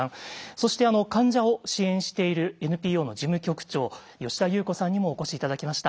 そして患者を支援しているＮＰＯの事務局長吉田由布子さんにもお越し頂きました。